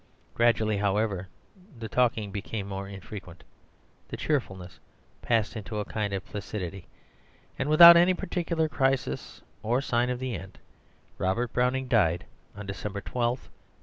Gradually, however, the talking became more infrequent, the cheerfulness passed into a kind of placidity; and without any particular crisis or sign of the end, Robert Browning died on December 12, 1889.